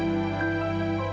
kami percaya sama kakak